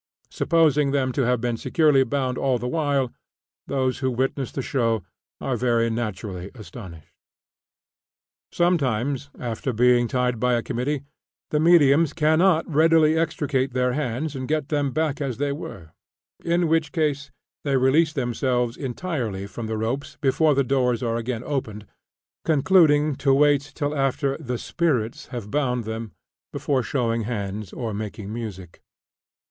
Supposing them to have been securely bound all the while, those who witness the show are very naturally astonished. Sometimes, after being tied by a committee, the mediums cannot readily extricate their hands and get them back as they were; in which case they release themselves entirely from the ropes before the doors are again opened, concluding to wait till after "the spirits" have bound them, before showing hands or making music.